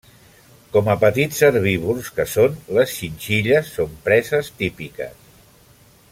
Com a petits herbívors que són, les xinxilles són preses típiques.